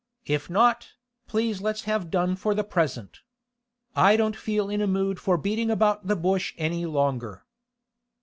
If not, please let's have done for the present. I don't feel in a mood for beating about the bush any longer.